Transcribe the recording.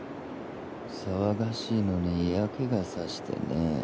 騒がしいのに嫌気が差してね。